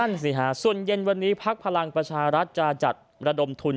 สิฮะส่วนเย็นวันนี้ภักดิ์พลังประชารัฐจะจัดระดมทุน